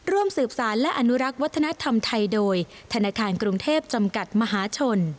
ร่วมสืบสารและอนุรักษ์วัฒนธรรมไทยโดยธนาคารกรุงเทพจำกัดมหาชน